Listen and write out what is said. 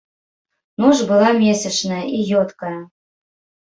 Ноч была месячная і ёдкая.